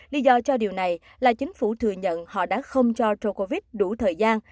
lý do cho điều này là chính phủ thừa nhận họ đã không cho rovic đủ thời gian